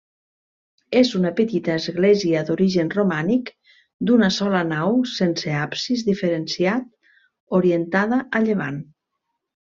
És una petita església d'origen romànic d'una sola nau sense absis diferenciat, orientada a llevant.